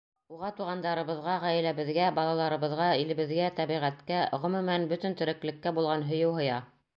Уға туғандарыбыҙға, ғаиләбеҙгә, балаларыбыҙға, илебеҙгә, тәбиғәткә, ғөмүмән, бөтөн тереклеккә булған һөйөү һыя.